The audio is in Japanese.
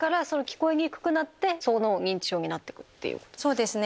そうですね